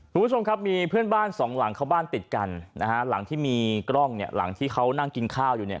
คุณผู้ชมครับมีเพื่อนบ้านสองหลังเขาบ้านติดกันนะฮะหลังที่มีกล้องเนี่ยหลังที่เขานั่งกินข้าวอยู่เนี่ย